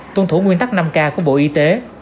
tuân thủ nguyên tắc năm k của bộ y tế